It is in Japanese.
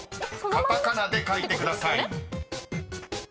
カタカナで書いてください］